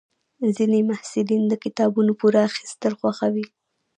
ځینې محصلین د کتابونو پور اخیستل خوښوي.